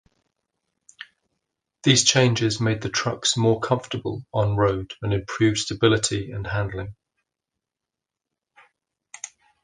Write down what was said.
These changes made the trucks more comfortable on-road, and improved stability and handling.